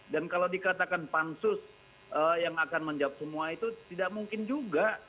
dan kalau dikatakan pansus yang akan menjawab semua itu tidak mungkin juga